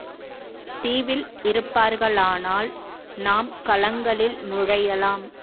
தீவில் இருப்பார்களானால் நாம் கலங்களில் நுழையலாம்.